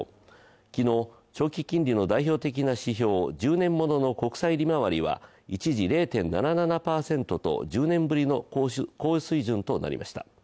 昨日、長期金利の代表的な指標、１０年物の国債利回りは一時０．７７％と１０年ぶりの高水準となりました。